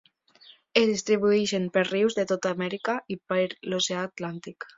Es distribueixen per rius de tota Amèrica i per l'oceà Atlàntic.